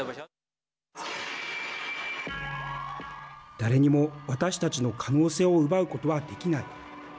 誰にも私たちの可能性を奪うことはできない。